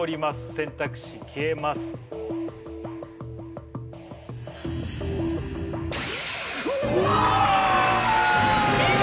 選択肢消えますうおーっ！